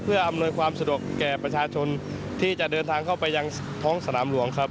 เพื่ออำนวยความสะดวกแก่ประชาชนที่จะเดินทางเข้าไปยังท้องสนามหลวงครับ